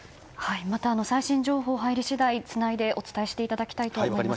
最新情報入り次第つないで、お伝えしていただきたいと思います。